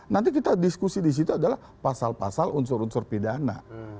nanti kita diskusi di situ adalah pasal pasal unsur unsur pidana